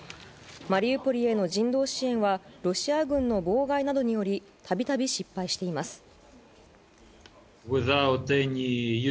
マリウポリへの人道支援はロシア軍の妨害などにより度々失敗しています。